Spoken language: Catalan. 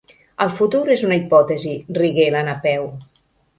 El futur és una hipòtesi —rigué la Napeu—.